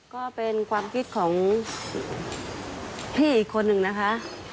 ก็เป็นความคิดของพี่อีกคนหนึ่งนะคะ